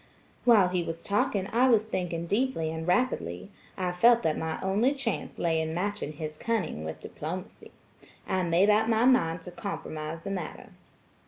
While he was talking I was thinking deeply and rapidly. I felt that my only chance lay in matching his cunning with diplomacy. I made up my mind to compromise the matter.